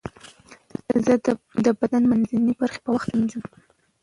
زه د بدن منځنۍ برخه په دقت مینځم.